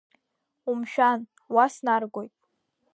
Умшәан, уа снаргоит.